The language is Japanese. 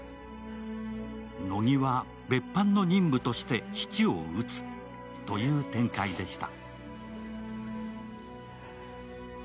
乃木は別班の任務として父を撃つという展開でした。